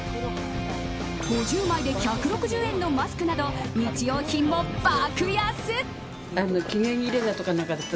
５０枚で１６０円のマスクなど日用品も爆安。